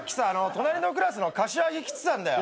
隣のクラスのカシワギ来てたんだよ。